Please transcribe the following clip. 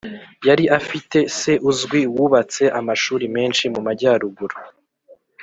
Yari afite se uzwi wubatse amashuri menshi mu majyaruguru